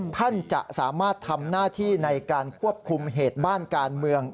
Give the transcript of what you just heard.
ท่านจะสามารถทำหน้าที่ในการควบคุมเหตุบ้านการเมือง